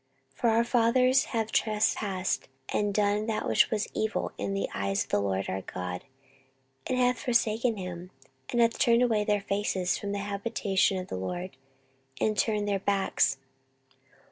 14:029:006 For our fathers have trespassed, and done that which was evil in the eyes of the LORD our God, and have forsaken him, and have turned away their faces from the habitation of the LORD, and turned their backs.